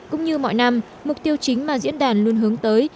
cũng như mọi năm mục tiêu chính mà diễn đàn luôn hướng tới